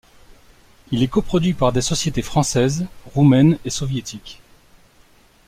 Il est coproduit par des sociétés françaises, roumaines et soviétique.